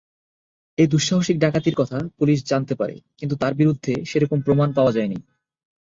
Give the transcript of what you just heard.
এই দুঃসাহসিক ডাকাতির কথা পুলিশ জানতে পারে কিন্তু তার বিরুদ্ধে সেরকম প্রমাণ পাওয়া যায়নি।